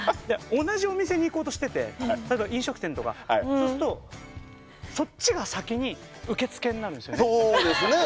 同じお店に行こうとしてて飲食店とかそうすると、そっちが先に受付になるんですよね。